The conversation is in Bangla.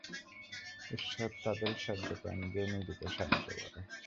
ঈশ্বর তাদেরই সাহায্য করেন যে নিজেকে সাহায্য করে।